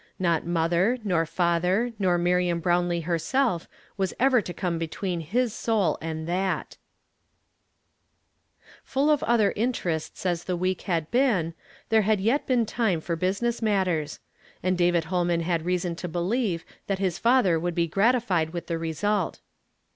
Not mother, nor father, nor Miriam Brownlee herself was ever to come between his soul and that. ^. sii_: I WILL DECLARE THY NAME. 251 Full of other interests as the week had been, there had yet been time for business matters ; and David Holman had reason to believe that his father would be gratified with the result.